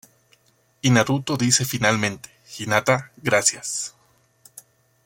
Y Naruto dice finalmente: "Hinata...gracias".